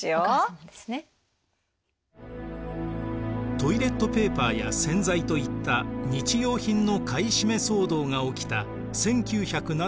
トイレットペーパーや洗剤といった日用品の買い占め騒動が起きた１９７３年。